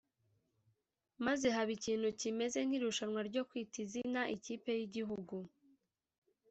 maze haba ikintu kimeze nk’irushanwa ryo kwita izina ikipe y’igihugu